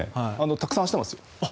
たくさん走ってますよ。